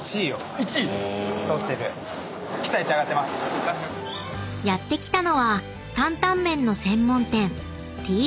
１位⁉［やって来たのは担々麺の専門店］